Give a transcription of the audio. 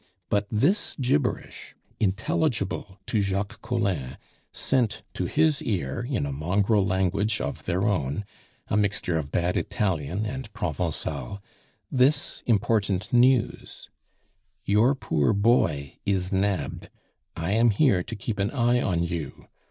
But this gibberish, intelligible to Jacques Collin, sent to his ear in a mongrel language of their own a mixture of bad Italian and Provencal this important news: "Your poor boy is nabbed. I am here to keep an eye on you.